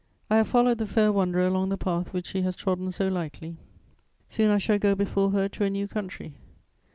I have followed the fair wanderer along the path which she has trodden so lightly; soon I shall go before her to a new country.